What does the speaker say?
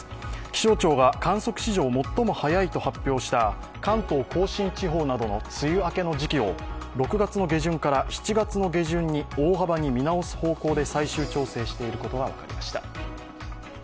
気象庁が観測史上最も早いと発表した関東甲信地方などの梅雨明けの時期を６月の下旬から７月の下旬に大幅に見直す方向で最終調整していることが分かりました。